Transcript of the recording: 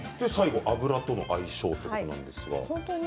あぶらとの相性ということなんですが。